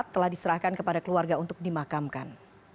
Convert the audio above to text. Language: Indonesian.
telah diserahkan kepada keluarga untuk dimakamkan